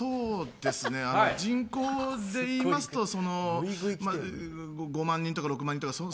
人口でいいますと５万人とか６万人とか。